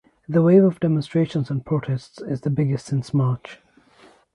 The wave of demonstrations and protests is the biggest since March.